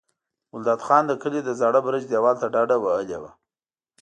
ګلداد خان د کلي د زاړه برج دېوال ته ډډه وهلې وه.